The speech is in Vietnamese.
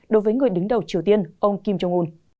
đối với người đứng đầu triều tiên ông kim jong un